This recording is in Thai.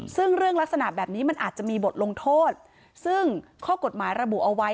ซึ่งเรื่องลักษณะแบบนี้มันอาจจะมีบทลงโทษซึ่งข้อกฎหมายระบุเอาไว้